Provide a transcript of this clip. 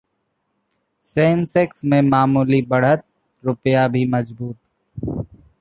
Sensex में मामूली बढ़त, रुपया भी मजबूत